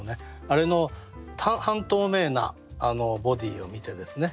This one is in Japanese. あれの半透明なボディーを見てですね